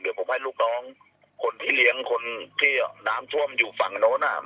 เดี๋ยวผมให้ลูกน้องคนที่เลี้ยงคนที่น้ำท่วมอยู่ฝั่งโน้นอ่ะ